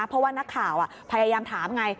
เพราะว่านักข่าวพยายามถามไง